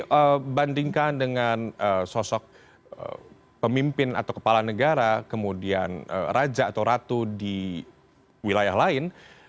jadi bandingkan dengan sosok pemimpin atau kepala negara kemudian raja atau ratu di wilayah lain